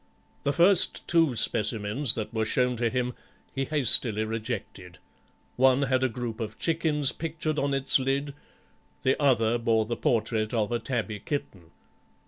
The two first specimens that were shown him he hastily rejected; one had a group of chickens pictured on its lid, the other bore the portrait of a tabby kitten.